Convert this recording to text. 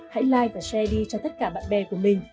hãy like và share đi cho tất cả bạn bè của mình